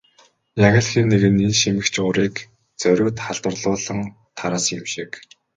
Яг л хэн нэг нь энэ шимэгч урыг зориуд халдварлуулан тараасан юм шиг.